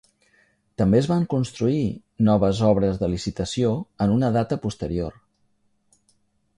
També es van construir noves obres de licitació en una data posterior.